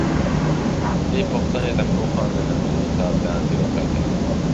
دې پوښتنې ته مې وخندل، انځور صاحب لاندې وکتل.